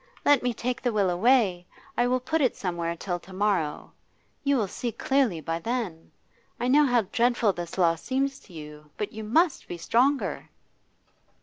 Let me take the will away. I will put it somewhere till to morrow. You will see clearly by then. I know how dreadful this loss seems to you, but you must be stronger.